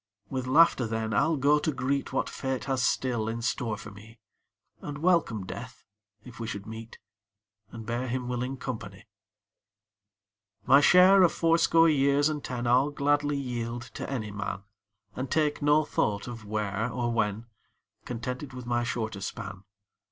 With laughter, then, I'll go to greet What Fate has still in store for me, And welcome Death if we should meet, And bear him willing company. My share of fourscore years and ten I'll gladly yield to any man, And take no thought of " where " or " when," Contented with my shorter span.